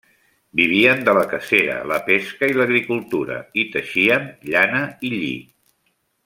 Vivien de la cacera, la pesca i l'agricultura, i teixien llana i lli.